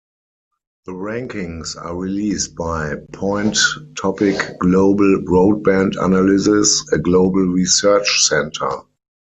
The rankings are released by Point Topic Global broadband analysis, a global research centre.